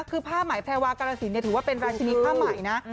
คือภาพหมายแพรวากาลสินถือว่าเป็นราชินิภาพใหม่นะ